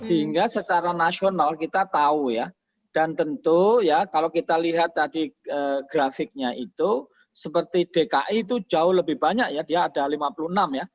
sehingga secara nasional kita tahu ya dan tentu ya kalau kita lihat tadi grafiknya itu seperti dki itu jauh lebih banyak ya dia ada lima puluh enam ya